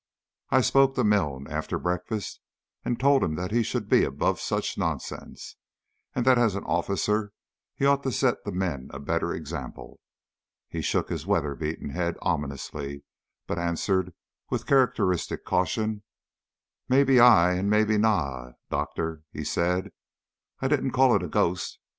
I spoke to Milne after breakfast, and told him that he should be above such nonsense, and that as an officer he ought to set the men a better example. He shook his weather beaten head ominously, but answered with characteristic caution, "Mebbe aye, mebbe na, Doctor," he said; "I didna ca' it a ghaist.